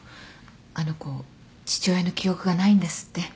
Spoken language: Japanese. あの子父親の記憶がないんですって。